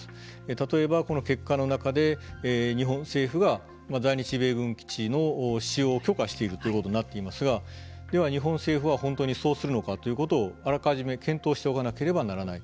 例えば、この結果の中で日本政府が在日米軍基地の基地を使用を許可しているということになっていますがでは、日本政府は本当にそうするのかということをあらかじめ検討しておかなければならない。